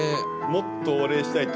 もっとお礼したいと。